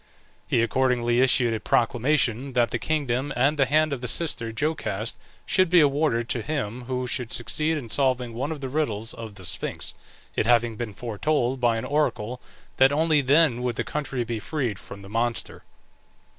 He accordingly issued a proclamation, that the kingdom and the hand of his sister Jocaste should be awarded to him who should succeed in solving one of the riddles of the Sphinx, it having been foretold by an oracle that only then would the country be freed from the monster.